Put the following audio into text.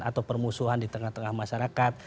atau permusuhan di tengah tengah masyarakat